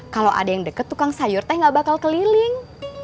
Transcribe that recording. kalau ada yang deket tukang sayur teh gak bakal keliling